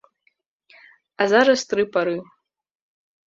А зараз тры пары.